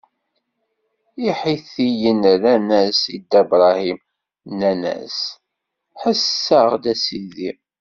Iḥitiyen rran-as i Dda Bṛahim, nnan-as: Ḥess-aɣ-d, a sidi!